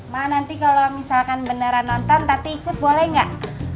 ma nanti kalau beneran nonton tati ikut boleh gak